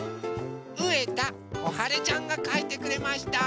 うえたこはれちゃんがかいてくれました。